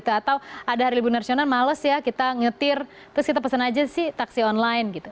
atau ada hari libur nasional males ya kita ngetir terus kita pesan aja sih taksi online gitu